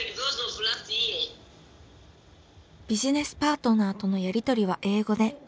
ビジネスパートナーとのやり取りは英語で。